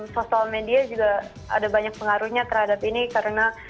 sosial media juga ada banyak pengaruhnya terhadap ini karena